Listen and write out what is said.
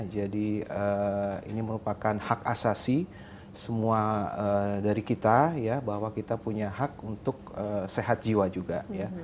jadi ini merupakan hak asasi semua dari kita bahwa kita punya hak untuk sehat jiwa juga